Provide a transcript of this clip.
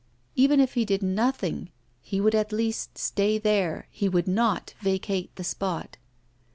Even if he did nothing, he would at least stay there, he would not vacate the spot.